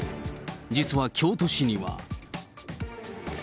実は京都市には。